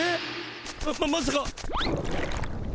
ままさか。